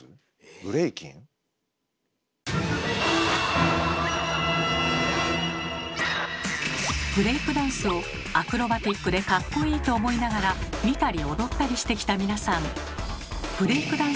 ブレイクダンスをアクロバティックでかっこいいと思いながら見たり踊ったりしてきた皆さん。